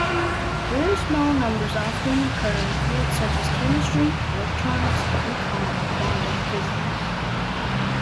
Very small numbers often occur in fields such as chemistry, electronics and quantum physics.